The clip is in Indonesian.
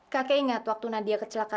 kakek ingat waktu nadia kecelakaan